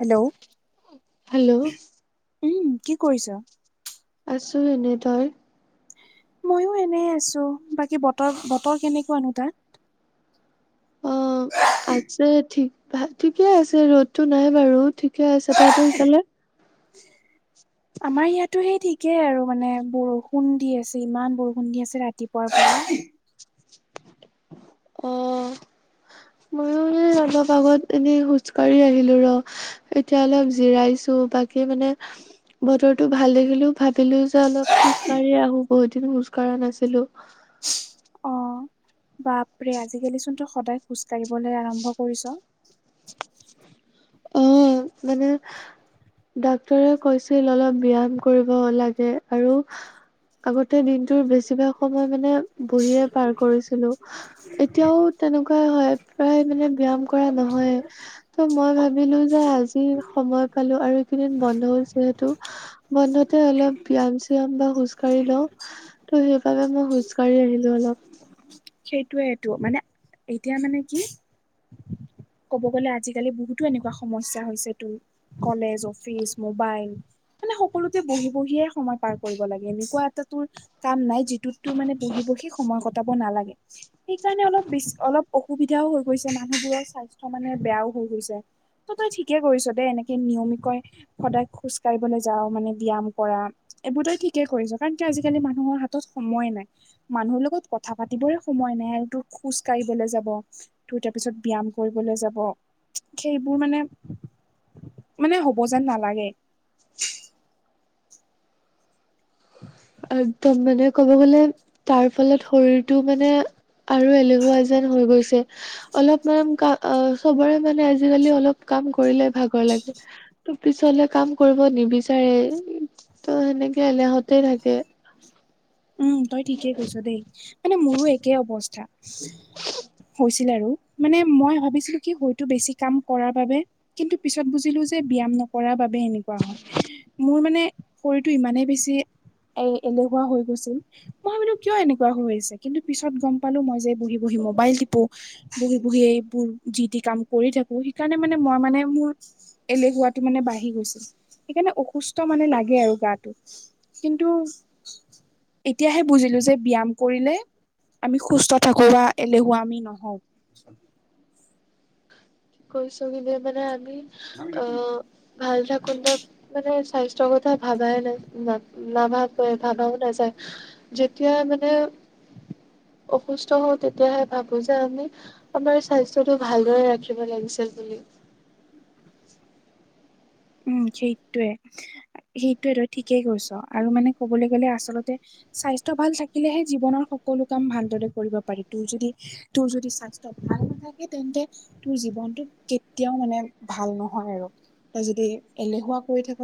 Hello, hello উম কি কৰিছ? আছো এনেই তই? মইয়ো এনেই আছো বাকী বতৰ বতৰ কেনেকুৱানো তাৰ? অঁ, আছে ঠিক ভা ঠিকে আছে ৰ'দতো নাই বাৰু ঠিক কে আছে তহঁতৰ সিফালে? আমাৰ ইয়াতো হে ঠিক কে আৰু মানে বৰষুণ দি আছে ইমান বৰষুণ দি আছে ৰাতিপুৱাৰ পৰা। অ' ময়ো সে অলপ আগত এনেই খোজকাঢ়ি আহিলো ৰ এতিয়া অলপ জিৰাইছো বাকী মানে বতৰটো ভাল দেখিলো ভাবিলো যে অলপ খোজ কাঢ়ি আহো, বহুত দিন খোজ কঢ়া নাছিলো। অ বাপৰে আজিকালি চোন তই সদায় খোজ কঢ়িবলৈ আৰম্ভ কৰিছ। উম মানে ডাক্তৰে কৈছিল অলপ ব্যায়াম কৰিব লাগে আৰু আগতে দিনটোৰ বেছিভাগ সময় মানে বহিয়ে পাৰ কৰিছিলো। এতিয়াও তেনেকুৱাই হয় প্ৰায় মানে ব্যাম কৰা নহয়ে ত মই ভাব ভাবিলো যে আজি সময় পালো আৰু এইকেইদিন বন্ধও যিহেতু বন্ধতে অলপ ব্যাম চিয়াম বা খোজ কঢ়ি লওঁ। ত' সেইবাবে মই খোজ কাঢ়ি আহিলো অলপ। সেইটোয়েটো মানে এতিয়া মানে কি ক'ব গ'লে আজিকালি বহুতো এনেকুৱা সমস্যা হৈছে তো। কলেজ, অফিচ, মোবাইল মানে সকলোতে বহি বহিয়ে সময় পাৰ কৰিব লাগে, এনেকুৱা এটা তোৰ কাম নাই, যিটোততো মানে বহি বহি সময় কটাব নালাগে। সেইকাৰণে অলপ বেছি অলপ অসুবিধাওঁ হৈ গৈছে মানুহবোৰৰ স্বাস্থ্য মানে বেয়াওঁ হৈ গৈছে। ত তই ঠিকে কৰিছ দে এনেকে নিয়মিক কয় সদায় খোজ কাঢ়িবলৈ যাওঁ মানে ব্যায়াম কৰা। এইবোৰ তই ঠিকে কৰিছ কাৰণ কিয় আজিকালি মানুহৰ হাতত সময় নাই, মানুহৰ লগত কথা পাতিবৰে সময় নাই আৰু তো খোজ কাঢ়িবলৈ যাব। তোৰ তাৰ পিছত ব্যায়াম কৰিবলৈ যাব, সেইবোৰ মানে মানে হ'ব যেন নালাগে। একদম মানে ক'ব গ'লে তাৰ ফলত শৰীৰটো মানে আৰু এলেহুৱা যেন হৈ গৈছে। অলপ মান কা আ চবৰে মানে আজিকালি অলপ কাম কৰিলে ভাগৰ লাগে। ত পিছলে কাম কৰিব নিবিচাৰে ত সেনেকে এলোহতে থাক কে। উম তই ঠিকে কৈছ দেই, মানে মোৰো একে অৱস্থা। হৈছিল আৰু মানে মই ভাবিছিলো কি হয়তো বেছি কাম কৰাৰ বাবে কিন্তু পিছত বুজিলো যে ব্যায়াম নকৰাৰ বাবে এনেকুৱা হয়। মোৰ মানে শৰীৰটো ইমানেই বেছি এ এলেহুৱা হৈ গৈছিল। মই ভাবিলো কিয় এনেকুৱা হৈ আছে কিন্তু পিছত গম পালো মই যে বহি বহি মোবাইল টিপো বহি বহি এইবোৰ যি টি কাম কৰি থাকো, সেইকাৰণে মানে মই মানে মোৰ এলেহুৱাটো মানে বাঢ়ি গৈছিল, সেইকাৰণে অসুস্থ মানে লাগে আৰু গাটো। কিন্তু এতিয়াহে বুজিলো যে ব্যায়াম কৰিলে আমি সুস্থ থাকো বা এলেহুৱা আমি নহওঁ। কৈছো কি মানে আমি অ' ভাল থাকোনতে মানে স্বাস্থ্যৰ কথা ভাবাই না নাভাবে ভাবাও নাযায়। যেতিয়াই মানে অসুস্থ হওঁ তেতিয়াহে ভাবো যে আমি আমাৰ স্বাস্থ্যটো ভালদৰে ৰাখি ব লাগিছিল বুলি। উম্ সেইটোয়ে, সেইটোয়ে তই ঠিকেই কৈছ আৰু মানে কবলৈ গ'লে আচলতে স্বাস্থ্য ভাল থাকিলেহে জীৱনৰ সকলো কাম ভালদৰে কৰিব পাৰি, তোৰ যদি তোৰ যদি স্বাস্থ্য ভাল নাথাকে তেন্তে তোৰ জীৱনতটো কেতিয়াওঁ মানে ভাল নহয় আৰু। এই এলেহুৱা কৰি থাক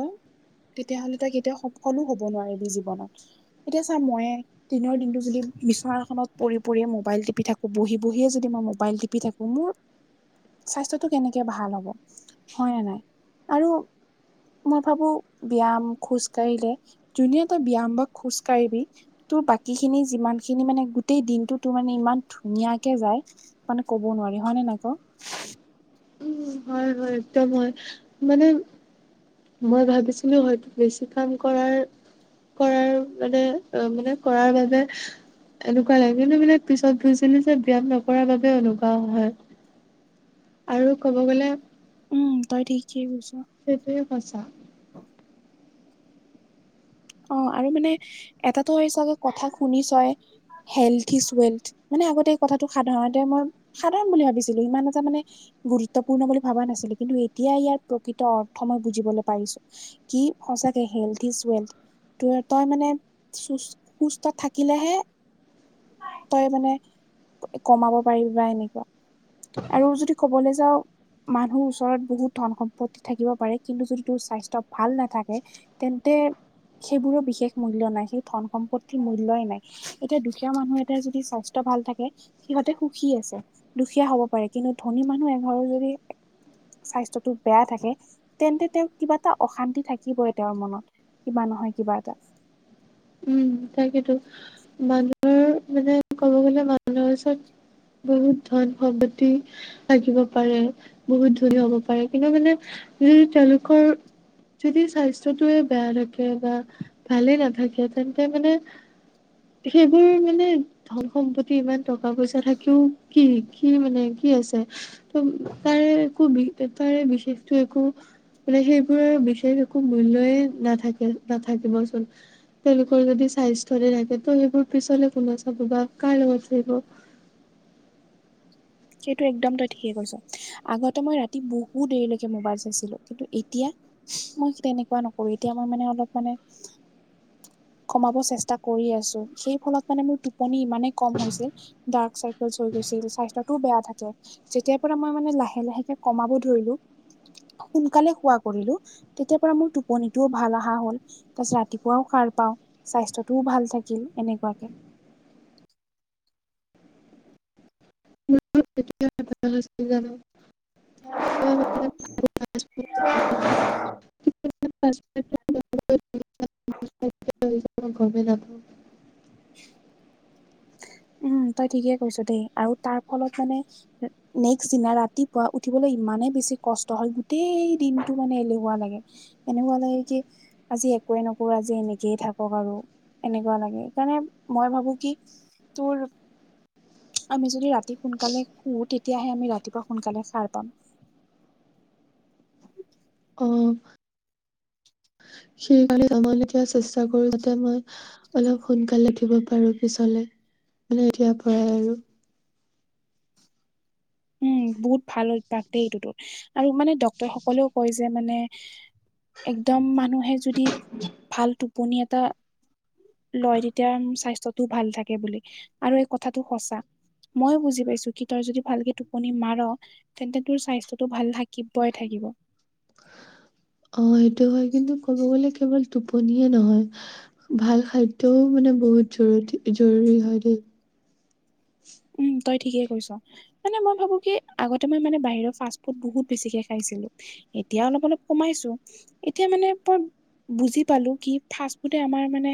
তেতিয়া হ'লে তই কেতিয়া সফলো হব নোৱাৰিবি জীৱনত। এতিয়া চা ময়ে দিনৰ দিনটো যদি বিছনা এখনত পৰি পৰিয়ে মোবাইল টিপি থাকো, বহি বহিয়ে যদি মই মোবাইল টিপি থাকো মোৰ স্বাস্থ্যটো কেনেকে ভাল হ'ব হয় নে নাই? আৰু মই ভাবো ব্যায়াম, খোজ কাঢ়িলে, যোনে এবাৰ ব্যায়াম বা খোজ কাঢ়ি দি তোৰ বাকীখিনি যিমান খিনি মানে গোটেই দিনটো তোৰ মানে ইমান ধুনীয়াকে যায় মানে ক'ব নোৱাৰি হয় নে নাই ক? উম হয় হয়, একদম হয় মানে- মই ভাবিছিলো হয়তো বেছি কাম কৰাৰ- কৰাৰ মানে অ মানে কৰাৰ বাবে- এনেকুৱা লাগে কিন্তু মানে পিছত বুজিলো যে ব্যায়াম নকৰাৰ বাবে এনেকুৱা হয়। আৰু ক'ব গলে, - উম' তই ঠিকেই কৈছ। সেইটোৱে সচা। অঁ আৰু মানে এটাটো চাগে কথা শুনিছয়। হেল কিছুৱেলট, মানে আগতে এই কথাটো সাধাৰণতে মই সাধাৰণ বুলি ভাবিছিলো ইমান এটা মানে- গুৰুত্বপূৰ্ণ বুলি ভবা নাছিলো। কিন্তু, এতিয়া ইয়াৰ প্ৰকৃত অৰ্থ মই বুজিবলৈ পাৰিছো। কি সঁচাকে হেল্থ ইজ ৱেল। তোৱে তই মানে চুচ সুস্থ থাকিলেহে। তই মানে কমাব পাৰিবি বা এনেকুৱা। আৰু যদি ক'বলে যাওঁ- মানুহ ওচৰত বহুত ধন সম্পত্তি থাকিব পাৰে কিন্তু, যদি তোৰ স্বাস্থ্য ভাল নাথাকে- তেন্তে, - সেইবোৰো বিশেষ মূল্য় নাই সেই ধন সম্পত্তিৰ মূল্যয়ই নাই। এতিয়া দুখীয়া মানুহ এটাই যদি স্বাস্থ্য ভাল থাকে- সিহঁতে সুখী আছে দুখীয়া হব পাৰে, কিন্তু ধনী মানুহ এঘৰৰ যদি- স্বাস্থ্যটো বেয়া থাকে- তেন্তে তেওঁ কিবা এটা অশান্তি থাকিবই তেওঁৰ মনত কিবা নহয় কিবা এটা। উম' তাকেতো মানুহৰ মানে ক'ব গ'লে মানুহৰ ওচৰত- বহুত ধন সম্পত্তি- থাকিব পাৰে, বহুত ধন হ'ব পাৰে, কিন্তু মানে যদি তেওঁলোকৰ- যদি স্বাস্থ্যটোৱে বেয়া থাকে বা ভালেই নাথাকে তেন্তে মানে- সেইবোৰ মানে- ধন সম্পত্তি ইমান টকা পইচা থাকিও কি কি মানে কি আছে? ত তাৰে একো তাৰে বিশেষতটো একো- মানে সেইবোৰৰ বিশেষ একো মূল্যয় নাথাকে নাথাকিবচোন। তেওঁলোকৰ যদি স্বাস্থ্য নেথাকে ত' সেইবোৰ পিছলে কোনে চাব বা কাৰ লগত থাকিব? সেইটো একদম তই ঠিকে কৈছ আগতে মই ৰাতি বহু দেৰিলৈকে মোবাইল চাইছিলো কিন্তু, এতিয়া- মই তেনেকুৱা নকৰো। এতিয়া মই মানে অলপ মানে- কমাব চেষ্টা কৰি আছো, সেই ফলত মানে মোৰ টোপনি ইমানেই কম হৈছিল- ডাৰ্ক চাইকেলচ হৈ গৈছিল স্বাস্থ্য টো বেয়া থাকে। যেতিয়াৰ পৰা মই মানে লাহে লাহেকে কমাব ধৰিলো, সোনকালে হোৱা কৰিলো- তেতিয়া পৰা মোৰ টোপনিটোও ভাল অহা হল, তাৰপিছত ৰাতিপুৱাও সাৰ- পাওঁ স্বাস্থ্যটোও ভাল থাকিল এনেকুৱাকে। জানো। [unintelligible] ময় গমে নাপাওঁ। [inaudible] উম' তই ঠিকেই কৈছ দেই আৰু তাৰ ফলত মানে- নেক্সট দিনা ৰাতিপুৱা উঠিবলৈ ইমানে বেছি কষ্ট হয় গোটেই দিনটো মানে এলেহোৱা লাগে। এনেকুৱা লাগে যে- আজি একোৱে নকৰো আজি এনেকেই থাকক আৰু এনেকুৱা লাগে। সেইকাৰণে মই ভাবো কি? তোৰ আমি যদি ৰাতি সোনকালে শু তেতিয়া তেতিয়াহে আমি ৰাতিপুৱা সোনকালে সাৰ পাম অ সেইকাৰণ তেতিয়া চেষ্টা কৰো যাতে মই অলপ সোনকালে উঠিব পাৰো পিছলে মে এতিয়াৰ পৰাই আৰু উম বহুত ভাল অভ্যাস দেই এইটোতো আৰু মানে ডক্তৰ সকলেও কয় যে মানে একদম মানুহে যদি ভাল টোপনি এটা লয় তেতিয়া স্বাস্থ্যটো ভাল থাকে বুলি আৰু এই কথাটো সঁচা ময়ো বুজি পাইছো কি তাৰ য ভালকে টো আপুনি মাৰ তেন্তে তোৰ স্বাস্থ্যটো ভাল থাকিবই থাকিব অ সেইটো হয় কিন্তু ক'ব গ'লে কেৱল টোপনিয়ে নহয়। ভাল খাদ্যও মানে বহুত জৰুী জৰুৰী হয় দেই উম তই ঠিকেই কৈছ। মানে মই ভাবো কি আগতে মই মানে বাহিৰৰ ফাষ্ট ফুড বহুত বেছিকে খাইছিলো। এতিয়া অলপ অলপ কমাইছো এতিয়া মানে মই বুজি পালো কি ফা ফুডে আমাৰ মানে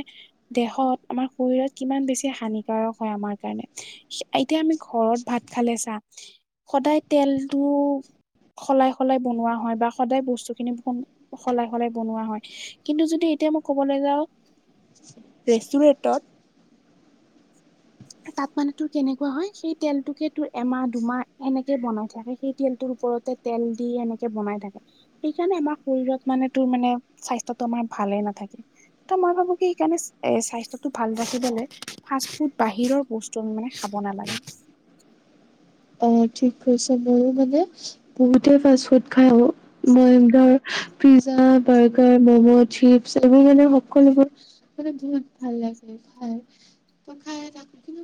দেহত আমাৰ শৰীৰত কিমান বেছি হানিকাৰক হয় আমাৰ কাৰণে এতিয়া আমি ঘৰত ভাত খালে চাম সদায় তেলটো সলাই সলাই বনোৱা হয় বা সদায় বস্তু খিনিন সলাই সলাই বনোৱা হয়। কিন্তু যদি এতিয়া মই ক'বলৈ যাওঁ ৰেষ্টুৰেন্টত তাত মানে তূ কেনেকুৱা হয় সেই তেলটোকে তোৰ এমাহ দুমাহ এনেকে বনাই থাকে সেই তেলটোৰ ওপৰতে তেল দি এনেকে বনাই থাকে। সেইকাৰণে আমাৰ শৰীৰত মানে তোৰ মানে স্বাস্থ্যত টো আমাৰ ভালে নাথাকে। ত মই ভাবো কি সকাৰণে এ স্বাস্থ্যতটো ভাল ৰাখিব ল ফা ফুড বাহিৰৰ বস্তু মানে খাব নালাগে। অ ঠিক কৈছে ময়ো মানে বহুতে ফাষ্ট ফুড খাইওঁ মই ধৰ পিজ্জা বাৰ্গাৰ ম'ম' চিপছ এইবোৰ মানে সকলোবোৰ মানে বহুত ভাল লাগে খাই ত খাই থাকোঁ কিন্ত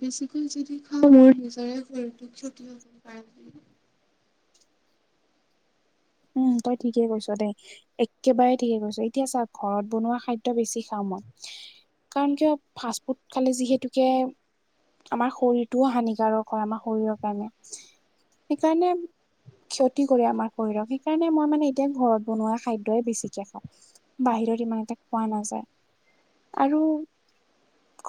বেছিকৈ যদি অ মোৰ নিজৰে ভৰিটোক কট হব পাৰে উম তই ঠিকে কৈছ দেই একেবাৰে ঠিকে কৈছো এতিয়া চা ঘৰত বনোৱা খাদ্য বেছি খাওঁ মই কাৰণ কিয় ফাষ্ট ফুড খালে যিহেতুকে আমাৰ শৰীৰটোও হানিকাৰক হয় আমাৰ শৰীৰৰ কাৰণে সেইকাৰণে ক্ষতি কৰে আমাৰ শৰীৰক সেইকাৰণে মই মানে এতিয়া ঘৰত বনোৱা খাদ্যই বেছিকে খাওঁ। বাহিৰত ইমান এটা খোৱা নাযায় আৰু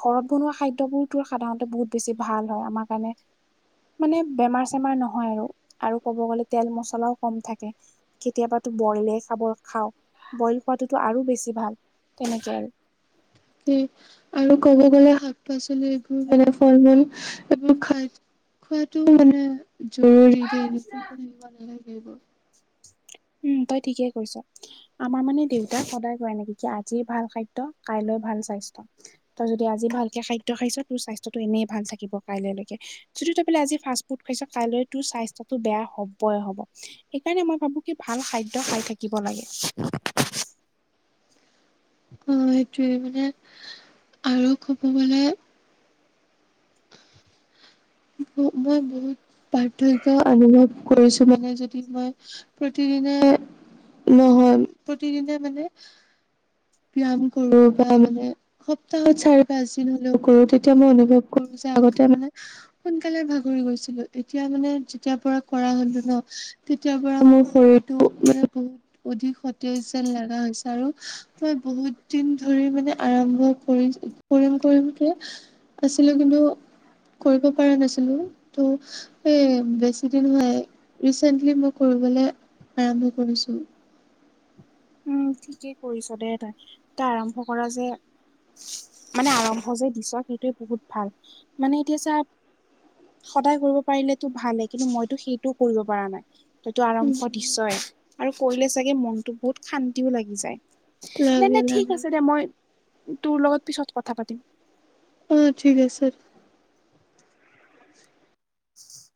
ঘৰত বনোৱা খাদ্যবোৰতো সাধাৰণতে বহুত বেছি ভাল হয় আমাৰ কাৰণে মানে বেমাৰ চেমাৰ নহয় আৰু আৰু ক'ব গ'লে তেল মছলাও কম থাকে। কেতিয়াবাতো বইলে খাব খাও বইল খোৱাতোতো আৰু বেছি ভাল তেনেকে আৰু কি আৰু ক'ব গ'লে শাক পাচলি এইবোৰ মানে ফল মূল এইবোৰ খাই খোৱাটো মানে জৰুৰী যে এনেকুৱাকে থাকিব নালাগে এইবোৰ উম তই ঠিকে কৰিছ। আমাৰ মানে দেউতাক সদায় কয় এনেকৈ কি আজি ভাল খাদ্য কাইলৈ ভাল স্বাস্থ্য তই যদি আজি ভালকে খাদ্য খাইছ তোৰ স্বাস্থ্যটো এনেই ভাল থাকিব কাইলৈকে যদি তই বোলে আজি ফাষ্ট ফুড খাইছ কাইলৈ তোৰ স্বাস্থ্যটো বেয়া হবই হ'ব সেইকাৰণে মই ভাবো ভাল খাদ্য খাই থাকিব লাগে অ সেইটোৱে মানে আৰু ক'ব গলে মই বহুত পাৰ্থক্য অনুভৱ কৰিছো মানে যদি মই প্ৰতিদিনে নহয় প্ৰতিদিনে মানে ব্যায়াম কৰো বা মানে সপ্তাহত চাৰি পাঁচ দিন হলেও কৰো তেতিয়া মই অনুভৱ কৰো যে আগতে মানে সোনকালে ভাগৰি গৈছিলো এতিয়া মানে যেতিয়াৰ পৰা কৰা হলো ন তেতিয়াৰ পৰা মোৰ শৰীৰটো মানে বহুত অধিক সতেজ যেন লগা হৈছে আৰু মই বহুত দিন ধৰি মানে আৰম্ভ কৰি কৰিম কৰিম কে আছিলো কিন্তু কৰিব পৰা নাছিলো ত' এ বেছি দিন নহয় ৰিচেন্টলি মই কৰিবলে আৰম্ভ কৰিছো উম ঠিকেই কৰিছ দে তাই তই আৰম্ভ কৰা যে মানে আৰম্ভ যে দিছ সেইটোৱে বহুত ভাল মানে এতিয়া চা সদায় কৰিব পাৰিলেটো ভালে কিন্তু মইতো সেইটোও কৰিব পৰা নাই তইটো আৰম্ভ দিছয় আৰু কৰিলে চাগে মনতো বহুত শান্তিও লাগি যায় নাই লাগে নাই ঠিক লাগে আছে দে মই তোৰ লগত পিছত কথা পাতিম উম ঠিক আছে [inaudible]